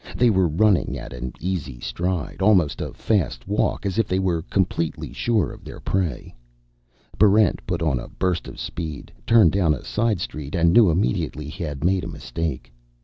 They were running at an easy stride, almost a fast walk, as if they were completely sure of their prey. Barrent put on a burst of speed, turned down a side street, and knew immediately he had made a mistake.